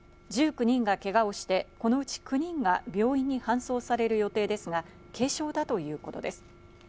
１９人がけがをして、このうち９人が病院に搬送される予定ですが、軽傷だということです。